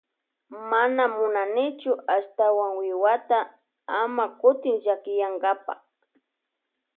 Mana munanichu ashtawan wiwata ama kutin llakiyankapa.